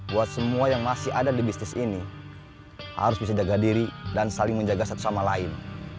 buat semua yang masih ada di bisnis ini harus bisa jaga diri dan saling menjaga satu sama lain